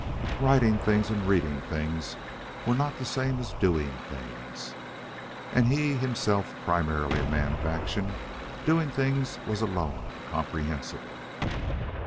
Writing things and reading things were not the same as doing things, and himself primarily a man of action, doing things was alone comprehensible.